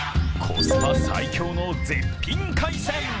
コスパ最強の絶品海鮮。